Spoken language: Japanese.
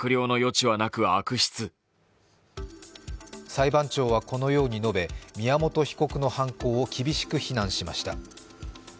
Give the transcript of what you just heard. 裁判長はこのように述べ、宮本被告の犯行を厳しく非難しました。